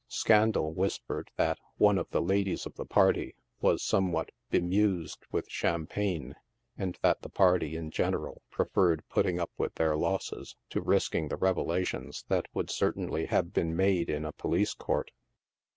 Scandal whispered that one of the ladies of the party was somewhat " bemused" with champagne, and that the party in general pre ferred putting up with their losses to risking the revelations that would certainly have been made in a police court.